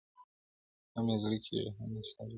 هم ئې زړه کېږي، هم ئې ساړه کېږي.